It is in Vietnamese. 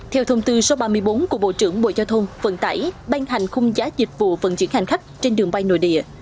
theo thông tư số ba mươi bốn của bộ trưởng bộ giao thông vận tải ban hành khung giá dịch vụ vận chuyển hành khách trên đường bay nội địa